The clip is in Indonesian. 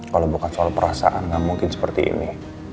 kalau bukan soal perasaan gak mungkin seperti ini